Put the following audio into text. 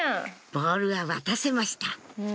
ボールは渡せました